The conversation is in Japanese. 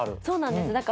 そうなんです。